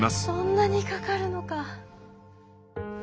そんなにかかるのか。